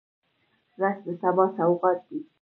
رس د سبا سوغات دی